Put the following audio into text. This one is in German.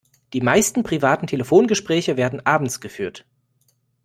Die meisten privaten Telefongespräche werden abends geführt.